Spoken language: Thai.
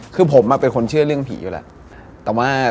คือผมเป็นคนเชื่อเรื่องผีอยู่แล้วแต่ว่า